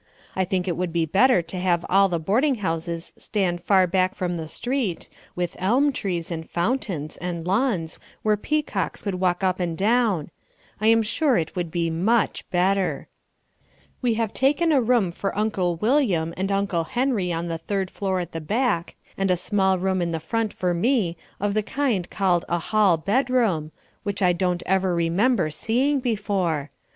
I think it would be better to have all the boarding houses stand far back from the street with elm trees and fountains and lawns where peacocks could walk up and down. I am sure it would be MUCH better. We have taken a room for Uncle William and Uncle Henry on the third floor at the back and a small room in the front for me of the kind called a hall bedroom, which I don't ever remember seeing before.